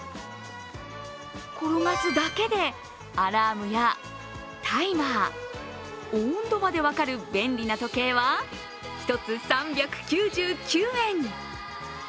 転がすだけでアラームやタイマー、温度まで分かる便利な時計は１つ３９９円。